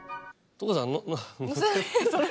所さん